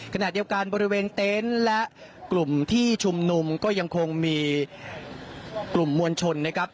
ขณะเดียวกันบริเวณเต็นต์และกลุ่มที่ชุมนุมก็ยังคงมีกลุ่มมวลชนนะครับ